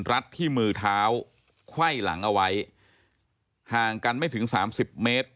รัดที่มือเท้าไขว้หลังเอาไว้ห่างกันไม่ถึงสามสิบเมตร